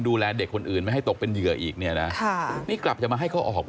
ดูแลเด็กคนอื่นไม่ให้ตกเป็นเหยื่ออีกเนี่ยนะค่ะนี่กลับจะมาให้เขาออก